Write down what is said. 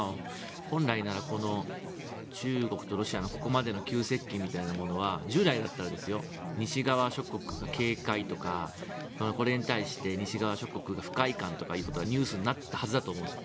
本来なら中国とロシアのここまでの急接近みたいなものは従来だったら西側諸国が警戒とかこれに対して西側諸国が不快感ということがニュースになったはずだと思うんです。